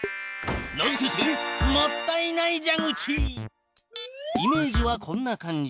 名付けてイメージはこんな感じ。